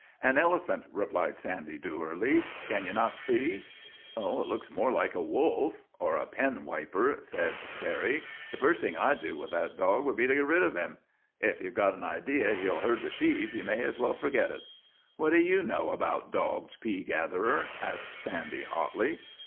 " An elephant," replied Sandy dourly. " Can ye not see ?'; It looks more like a wolf or a penwiper," said Terry. " The first thing I 'd do with that dog would be to get rid of him. If ye Ve an idea he '11 herd the sheep ye may as well forget it." 32 THE TWA DOGS O' GLENFERGUS ; What do you know about dogs, pea gatherer ?' asked Sandy, hotly.